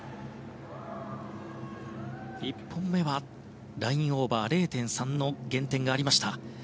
１本目はラインオーバー０．３の減点がありました。